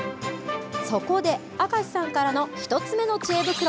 そこで、明石さんからの１つ目のちえ袋。